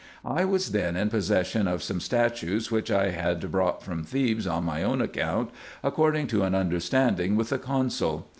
I was then in possession of some statues, which I had brought from Thebes on my own account, according to an understanding with the consul.